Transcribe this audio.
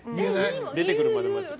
出てくるまで待っちゃう。